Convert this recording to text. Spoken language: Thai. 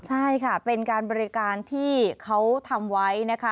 ใช่ค่ะเป็นการบริการที่เขาทำไว้นะคะ